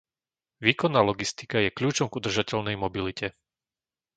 Výkonná logistika je kľúčom k udržateľnej mobilite.